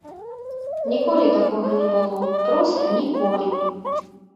Ніколі такога не было, проста ніколі.